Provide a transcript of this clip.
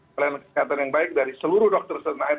melayani kesehatan yang baik dari seluruh dokter tanah air